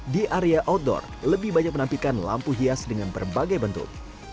di area outdoor lebih banyak menampilkan lampu hias dengan berbagai bentuk